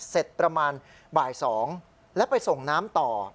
เสร็จประมาณบ่าย๒แล้วไปส่งน้ำต่อ